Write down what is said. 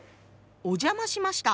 「お邪魔しました」。